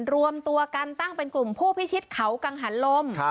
รวมตัวกันตั้งเป็นกลุ่มผู้พิชิตเขากังหันลม